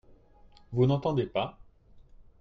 Vous n'entendez pas ?